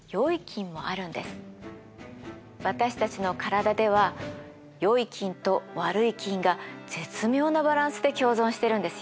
私たちの体ではよい菌と悪い菌が絶妙なバランスで共存してるんですよ。